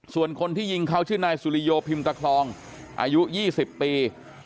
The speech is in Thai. ส่วนคนที่ยิงเขาชื่อนายสุริโยพิมตะคลองอายุ๒๐ปี